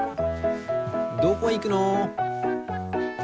どこいくの？